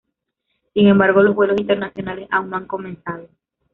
Sin embargo, los vuelos internacionales aún no han comenzado.